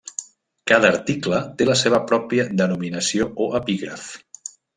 Cada article té la seva pròpia denominació o epígraf.